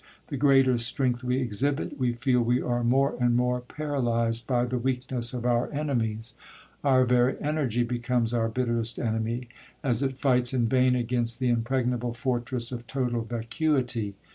The greater strength we exhibit, we feel we are more and more paralyzed by the weakness of our enemies,—our very energy becomes our bitterest enemy, as it fights in vain against the impregnable fortress of total vacuity!